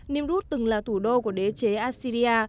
nimrut từng là thủ đô của đế chế assyria